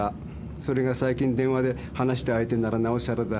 それが最近電話で話した相手ならなおさらだ。